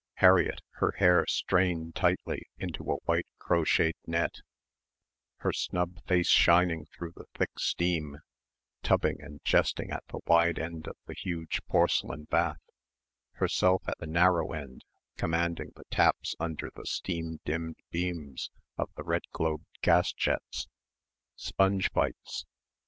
Harriett, her hair strained tightly into a white crocheted net, her snub face shining through the thick steam, tubbing and jesting at the wide end of the huge porcelain bath, herself at the narrow end commanding the taps under the steam dimmed beams of the red globed gasjets ... sponge fights